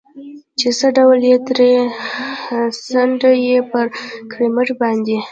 چې څه ډول یې تړلی، څنډه یې په ګورمېټ باندې.